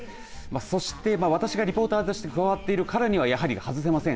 そして私がリポーターとして加わっているからにはやはり外せません。